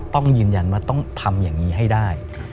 ต้องยืนยันว่าต้องทำอย่างนี้ให้ได้